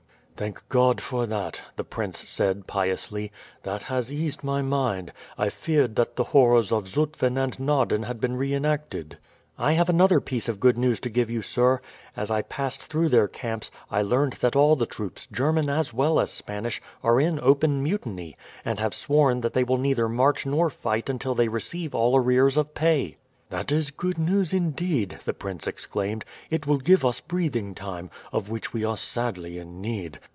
"Thank God for that," the prince said piously. "That has eased my mind. I feared that the horrors of Zutphen and Naarden had been re enacted." "I have another piece of good news to give you, sir. As I passed through their camps, I learned that all the troops, German as well as Spanish, are in open mutiny, and have sworn that they will neither march nor fight until they receive all arrears of pay." "That is good news indeed!" the prince exclaimed. "It will give us breathing time, of which we are sadly in need.